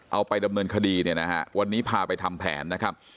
เอาไปดำเนินคดีเนี่ยนะฮะวันนี้พาไปทำแผนนะครับ